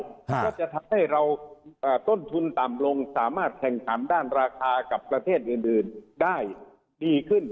ก็จะทำให้เราต้นทุนต่ำลงสามารถแข่งขันด้านราคากับประเทศอื่นได้ดีขึ้น